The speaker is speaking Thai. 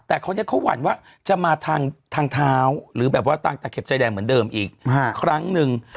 แต่คนนี้เขาหวั่นว่าจะมาทางเท้าหรือแบบว่าต่างตะเข็บใจแดงเหมือนเดิมอีกครั้งหนึ่ง